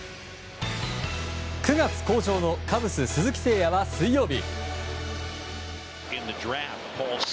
９月好調のカブス、鈴木誠也は水曜日。